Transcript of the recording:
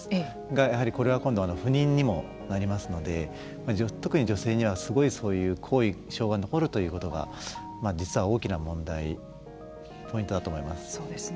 やはりこれは今度は不妊にもなりますので特に女性にはすごいそういう後遺症が残るということが実は大きな問題ポイントだと思います。